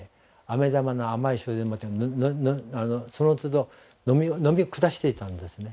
あめ玉の甘い汁でもってそのつど飲み下していたんですね